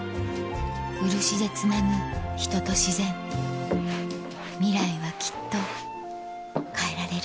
漆でつなぐ人と自然ミライはきっと変えられる